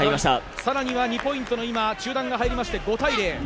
更には２ポイントの中段が入って５対０。